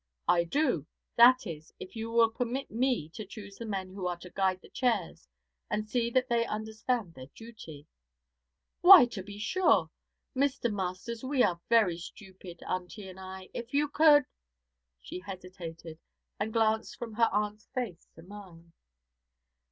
'I do; that is, if you will permit me to choose the men who are to guide the chairs and see that they understand their duty.' 'Why, to be sure. Mr. Masters, we are very stupid, auntie and I. If you could ' She hesitated, and glanced from her aunt's face to mine.